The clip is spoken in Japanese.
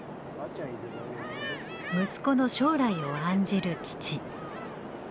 息子の将来を案じる父。